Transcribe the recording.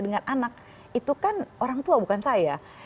dengan anak itu kan orang tua bukan saya